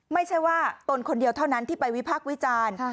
ไม่ใช่ว่าตนคนเดียวเท่านั้นที่ไปวิพักษ์วิจารณ์